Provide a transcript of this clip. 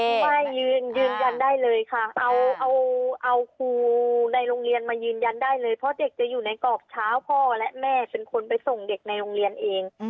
ไม่ยืนยันได้เลยค่ะเอาครูในโรงเรียนมายืนยันได้เลยเพราะเด็กจะอยู่ในกรอบเช้าพ่อและแม่เป็นคนไปส่งเด็กในโรงเรียนเอง